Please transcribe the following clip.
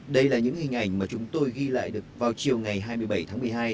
đây là những hình ảnh mà chúng tôi ghi lại được vào chiều ngày hai mươi bảy tháng một mươi hai